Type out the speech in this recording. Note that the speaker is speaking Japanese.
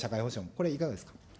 これいかがですか。